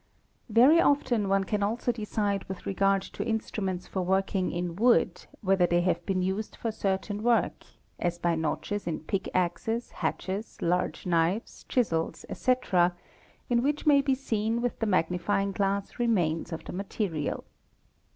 Very often one can also decide with regard to instruments for working _ in wood, whether they have been used for certain work, as by notches in pickaxes, hatchets, large knives, chisels, etc., in which may be seen with 7 the magnifying glass remains of the material.